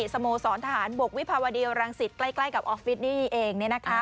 สโมสรทหารบกวิภาวะเดียวรังศิษย์ใกล้กับออฟฟิศนี่เองเนี่ยนะคะ